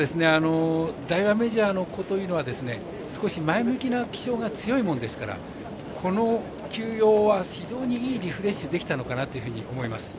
ダイワメジャーの子というのは少し前向きな気性が強いものですからこの休養は非常にいいリフレッシュできたのかなと思います。